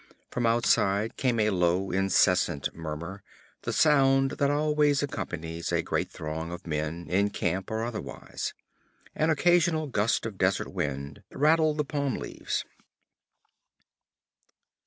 From outside came a low, incessant murmur, the sound that always accompanies a great throng of men, in camp or otherwise. An occasional gust of desert wind rattled the palm leaves.